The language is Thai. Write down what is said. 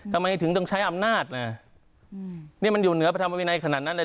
ทำไมถึงต้องใช้อำนาจนี่มันอยู่เหนือพระธรรมวินัยขนาดนั้นเลย